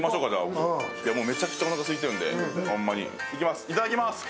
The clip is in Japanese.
めちゃくちゃおなかすいてるんで、いきます、いただきます。